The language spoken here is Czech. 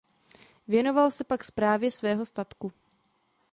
Věnoval se pak správě svého statku.